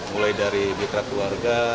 mulai dari mitra keluarga